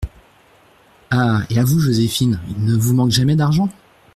Ah ! et à vous, Joséphine, il ne vous manque jamais d’argent ?